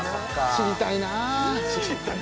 「知りたい」